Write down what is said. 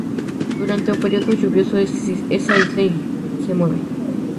Durante o período lluvioso esa isla se mueve.